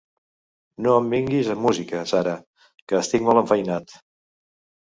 No em vinguis amb musiques ara, que estic molt enfeinat.